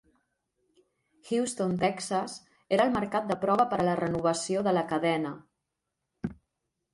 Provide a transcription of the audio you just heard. Houston (Texas) era el mercat de prova per a la renovació de la cadena.